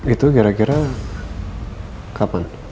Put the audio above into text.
itu gara gara kapan